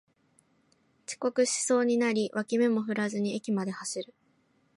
遅刻しそうになり脇目も振らずに駅まで走る